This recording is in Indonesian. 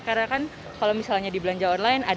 karena kan kalau misalnya di belanja online